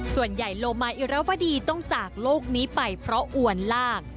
ส่วนใหญ่โลมาอิราวดีต้องจากโลกนี้ไปเพราะอวรรณ์ราก